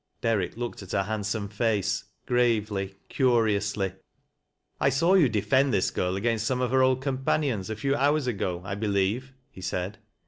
Derrick looked at her handsome face gravely, curi )usly. " I saw you defend this girl against some of her old companions, a few hours ago, I believe," he said.